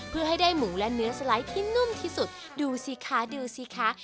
เพื่อให้ได้หมูและเนื้อสไลด์ที่นุ่มที่สุดดูสิคะดูสิคะ